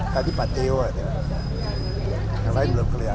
dari partai gosar banyak yang mencoba